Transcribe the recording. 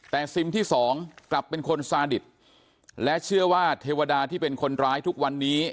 แต่ซิมที่สองกลับเป็นคนซาดิตและเชื่อว่าเทวดาที่เป็นคนร้ายทุกวันนี้